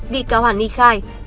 bị cáo hẳn nghi khai